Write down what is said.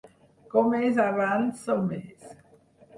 Com més avanço més.